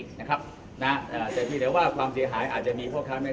แต่ตีเดียวว่าความเสียหายอาจมีอาจมี